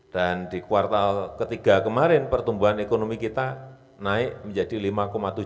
dan di kuartal ketiga kemarin pertumbuhan ekonomi kita naik menjadi rp lima tujuh puluh dua